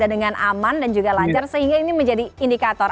dengan aman dan juga lancar sehingga ini menjadi indikator